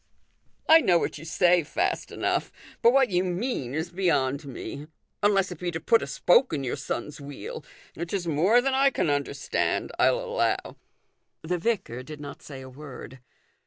" I know what you say fast enough ; but what you mean is beyond me : unless it be to put a spoke in your son's wheel : which is more than I can understand, I'll allow." The vicar did not say a word.